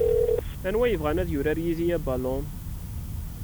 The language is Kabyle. Anwa yebɣan ad yurar yid-i abalun?